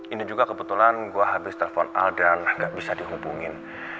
ini juga kebetulan gue habis telepon al dan gak bisa dihubungin